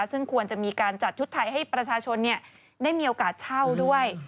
ซึ่งควรจะมีการจัดชุดไทยให้ประชาชนได้มีโอกาสเช่าด้วย